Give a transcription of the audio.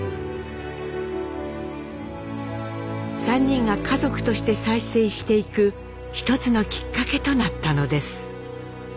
３人が家族として再生していく一つのきっかけとなったのです。